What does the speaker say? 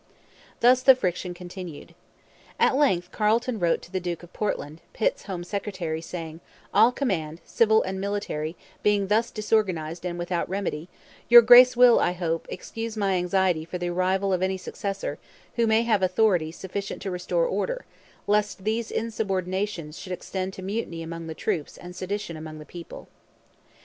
Thus the friction continued. At length Carleton wrote to the Duke of Portland, Pitt's home secretary, saying: 'All command, civil and military, being thus disorganized and without remedy, your Grace will, I hope, excuse my anxiety for the arrival of any successor, who may have authority sufficient to restore order, lest these insubordinations should extend to mutiny among the troops and sedition among the people.'